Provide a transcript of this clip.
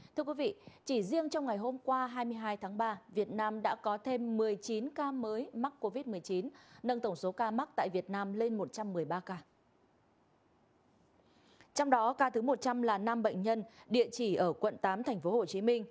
trong đó ca thứ một trăm linh là năm bệnh nhân địa chỉ ở quận tám tp hcm